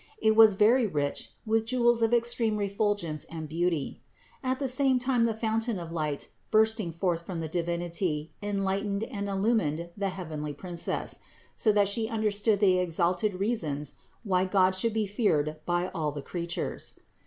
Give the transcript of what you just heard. It was very rich, with jewels of extreme refulgence and beauty. At the same time the fountain of light bursting forth from the Divinity enlightened and illumined the heavenly Princess, so that She understood the exalted reasons, why God should be feared by all the creatures.